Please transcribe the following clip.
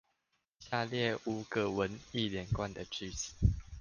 下列五個文意連貫的句子